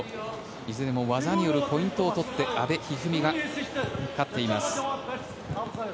いずれも技によるポイントを取って阿部一二三が勝っています。